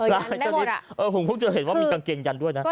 พร้อมคือมีกางเกง่านด้วยนะ